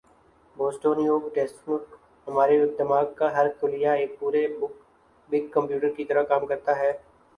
Boston Web desk ہمارے دماغ کا ہر خلیہ ایک پورےبگ کمپیوٹر کی طرح کام کرتا ہے